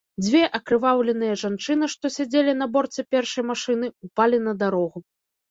Дзве акрываўленыя жанчыны, што сядзелі на борце першай машыны, упалі на дарогу.